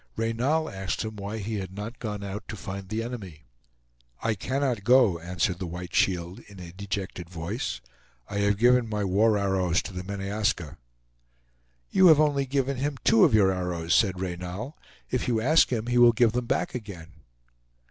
Reynal asked him why he had not gone out to find the enemy. "I cannot go," answered the White Shield in a dejected voice. "I have given my war arrows to the Meneaska." "You have only given him two of your arrows," said Reynal. "If you ask him, he will give them back again."